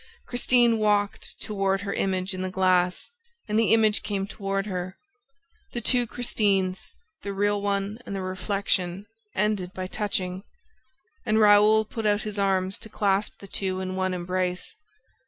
Christine walked toward her image in the glass and the image came toward her. The two Christines the real one and the reflection ended by touching; and Raoul put out his arms to clasp the two in one embrace.